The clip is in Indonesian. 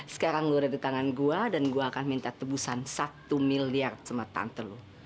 sekarang gue ada di tangan gue dan gue akan minta tebusan satu miliar sama tante lu